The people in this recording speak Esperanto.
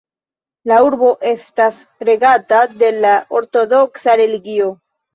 La urbo estas regata de la ortodoksa religio.